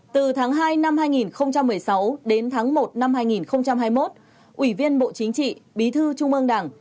từ tháng hai năm hai nghìn một mươi sáu đến tháng một năm hai nghìn hai mươi một ủy viên bộ chính trị bí thư trung ương đảng